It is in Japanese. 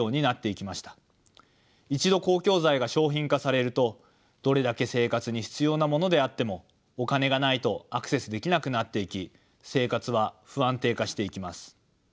一度公共財が商品化されるとどれだけ生活に必要なものであってもお金がないとアクセスできなくなっていき生活は不安定化していきます。